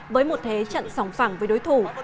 với một thế trận sỏng phẳng với đối thủ